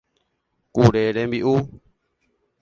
Kure rembi'u.